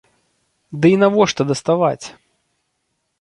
Ды і навошта даставаць?